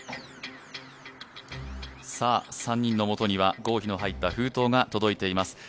さあ、３人のもとには合否の入った封筒が届いております。